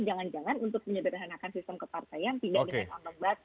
jangan jangan untuk menyederhanakan sistem kepartaian tidak dengan ambang batas